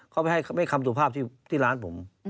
เขาไปให้คำสุภาพที่ร้านผม